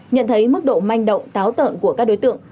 nhận thấy mức độ manh động táo tợn của các đối tượng